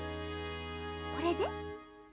これで？